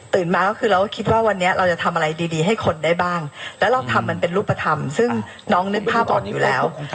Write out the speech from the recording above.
มาก็คือเราก็คิดว่าวันนี้เราจะทำอะไรดีให้คนได้บ้างแล้วเราทำมันเป็นรูปธรรมซึ่งน้องนึกภาพตอนนี้อยู่แล้ว